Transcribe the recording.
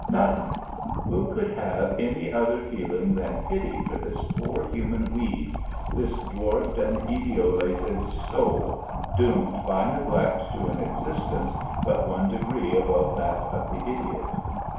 "Nothin'." Who could have any other feeling than pity for this poor human weed, this dwarfed and etiolated soul, doomed by neglect to an existence but one degree above that of the idiot?